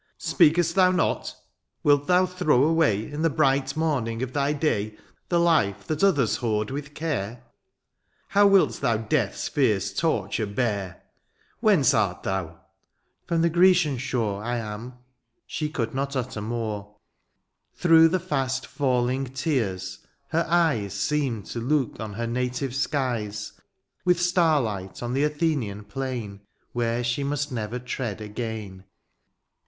Speak^st thou not ? Wilt thou throw away. In the bright morning of thy day, ^'The life that others hoard with care ?" How wilt thou death^s fierce torture b^r ?^^ Whence art thou ?^^" From the Grecian shore '^ I am.^' She could not utter more. 6C 72 DIONYSIUS, Through the fiast £EJlmg tears^ her eyes Seemed to look on her native skies^ With starlight on the Athenian phdn^ Where she must never tread again.